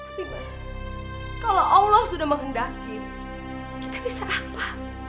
tapi bos kalau allah sudah menghendaki kita bisa apa